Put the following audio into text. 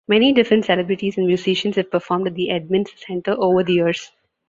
Many different celebrities and musicians have performed at the Edmunds Center over the years.